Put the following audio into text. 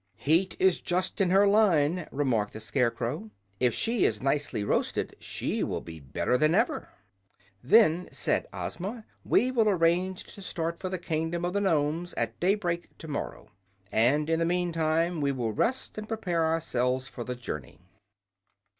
"Heat is just in her line," remarked the Scarecrow. "If she is nicely roasted, she will be better than ever." "Then" said Ozma, "we will arrange to start for the Kingdom of the Nomes at daybreak tomorrow. And, in the meantime, we will rest and prepare ourselves for the journey."